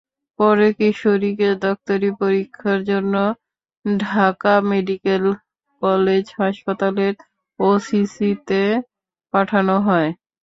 পরে কিশোরীকে ডাক্তারি পরীক্ষার জন্য ঢাকা মেডিকেল কলেজ হাসপাতালের ওসিসিতে পাঠানো হয়।